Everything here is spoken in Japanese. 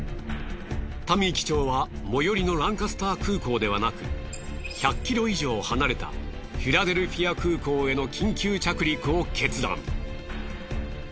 タミー機長は最寄りのランカスター空港ではなく１００ｋｍ以上離れたフィラデルフィア空港への緊急着陸を決断。